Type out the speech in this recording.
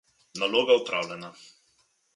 Naloga opravljena!